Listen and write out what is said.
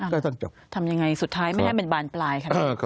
ก็ต้องจบทำยังไงสุดท้ายไม่ให้เป็นบานปลายครับ